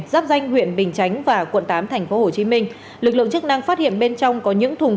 giáp danh huyện bình chánh và quận tám tp hcm lực lượng chức năng phát hiện bên trong có những thùng